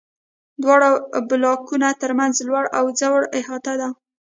دواړو بلاکونو تر منځ لوړ او ځوړ احاطه ده.